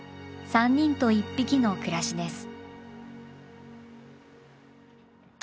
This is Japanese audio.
３人と１匹の暮らしです。